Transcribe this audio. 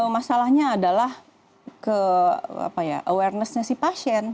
masalahnya adalah awareness nya si pasien